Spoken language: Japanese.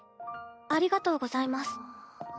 ありがとうございます